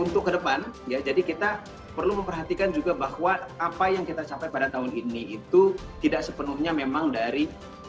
untuk ke depan ya jadi kita perlu memperhatikan juga bahwa apa yang kita capai pada tahun ini itu tidak sepenuhnya memang dari